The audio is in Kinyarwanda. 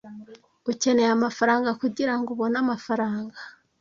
Ukeneye amafaranga kugirango ubone amafaranga.